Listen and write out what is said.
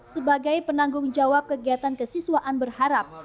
sebagai penanggung jawab kegiatan kesiswaan berharap